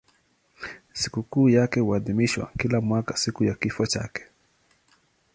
Sikukuu yake huadhimishwa kila mwaka siku ya kifo chake.